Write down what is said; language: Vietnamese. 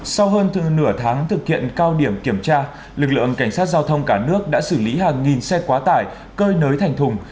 sau hơn nửa tháng thực hiện cao điểm kiểm tra lực lượng cảnh sát giao thông cả nước đã xử lý hàng nghìn xe quá tải cơi nới thành thùng